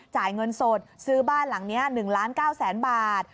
จ่ายเงินสดซื้อบ้านหลังนี้๑๙๐๐๐๐๐บาท